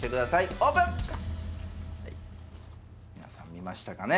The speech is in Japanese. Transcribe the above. オープン皆さん見ましたかね